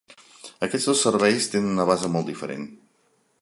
Aquests dos serveis tenen una base molt diferent.